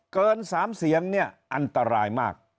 เกิน๓เสียงอันตรายมาก